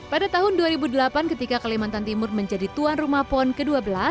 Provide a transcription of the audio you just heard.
pada tahun dua ribu delapan ketika kalimantan timur menjadi tuan rumah pon ke dua belas